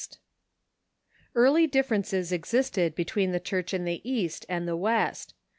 ] Early differences existed between tlie Church in the East and the West.